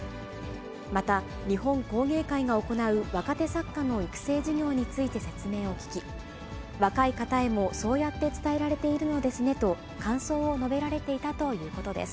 また、日本工芸会が行う若手作家の育成事業について説明を聞き、若い方へもそうやって伝えられているのですねと、感想を述べられていたということです。